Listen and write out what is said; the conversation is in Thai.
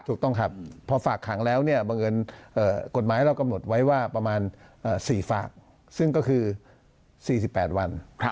ถูกต้องครับพอฝากขังแล้วเนี่ยบังเอิญกฎหมายเรากำหนดไว้ว่าประมาณ๔ฝากซึ่งก็คือ๔๘วัน